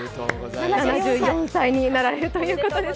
７４歳になられるということです。